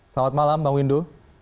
selamat malam bang windu